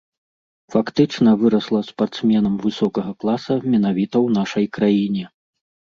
Фактычна вырасла спартсменам высокага класа менавіта ў нашай краіне.